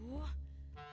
dong woi exaggerate ya